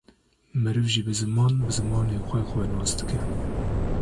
Meriv jî bi ziman, bi zimanê xwe xwe nas dike